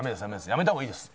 やめた方がいいです。